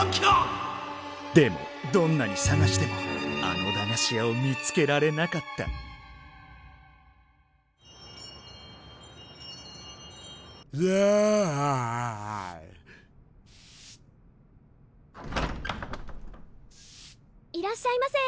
でもどんなに探してもあの駄菓子屋を見つけられなかったいらっしゃいませ。